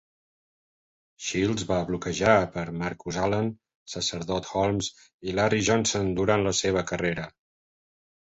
Shields va bloquejar per Marcus Allen, sacerdot Holmes i Larry Johnson durant la seva carrera.